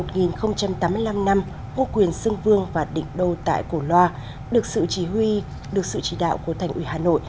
nên kỷ niệm một tám mươi năm năm ngô quyền xưng vương và định đô tại cổ loa được sự chỉ huy được sự chỉ đạo của thành ủy hà nội